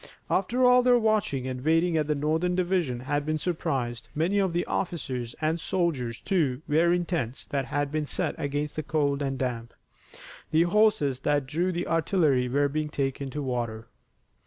After all their watching and waiting the Northern division had been surprised. Many of the officers and soldiers, too, were in tents that had been set against the cold and damp. The horses that drew the artillery were being taken to water.